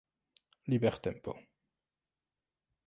libertempo